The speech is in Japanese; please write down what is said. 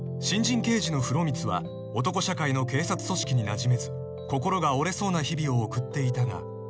［新人刑事の風呂光は男社会の警察組織になじめず心が折れそうな日々を送っていたが］